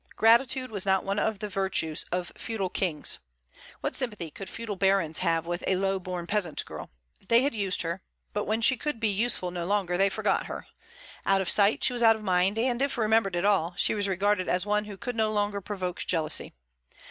Gratitude was not one of the virtues of feudal kings. What sympathy could feudal barons have with a low born peasant girl? They had used her; but when she could be useful no longer, they forgot her. Out of sight she was out of mind; and if remembered at all, she was regarded as one who could no longer provoke jealousy.